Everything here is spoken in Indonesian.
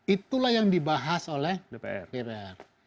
itulah yang dibahas oleh dpr